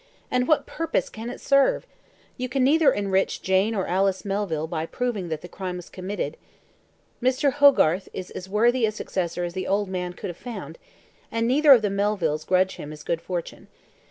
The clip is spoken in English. "And what purpose can it serve? You can neither enrich Jane or Alice Melville by proving that the crime was committed. Mr. Hogarth is as worthy a successor as the old man could have found, and neither of the Melvilles grudges him his good fortune.